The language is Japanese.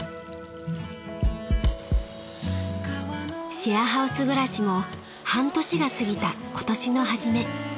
［シェアハウス暮らしも半年が過ぎた今年のはじめ］